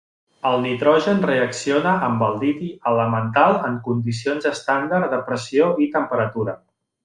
El nitrogen reacciona amb el liti elemental en condicions estàndard de pressió i temperatura.